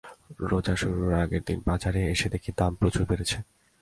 রোজা শুরুর আগের দিন বাজারে এসে দেখি দাম প্রচুর বেড়েছে।